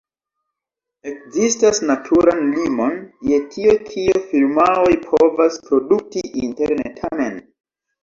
Ekzistas naturan limon je tio kio firmaoj povas produkti interne, tamen.